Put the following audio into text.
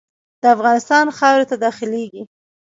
د افغانستان خاورې ته داخلیږي.